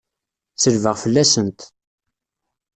Selbeɣ fell-asent!